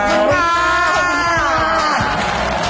ขอบคุณครับ